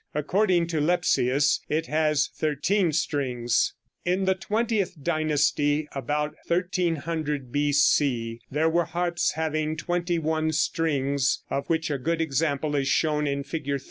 According to Lepsius it has thirteen strings. In the XXth dynasty, about 1300 B.C., there were harps having twenty one strings, of which a good example is shown in Fig.